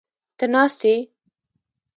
ته ناست یې؟